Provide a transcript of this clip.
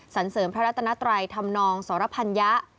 เสริมพระรัตนไตรธรรมนองสรพัญญะ